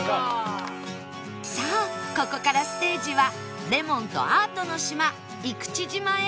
さあここからステージはレモンとアートの島生口島へ